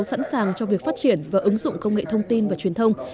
sẵn sàng cho việc phát triển và ứng dụng công nghệ thông tin và truyền thông